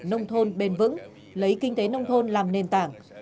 nông thôn bền vững lấy kinh tế nông thôn làm nền tảng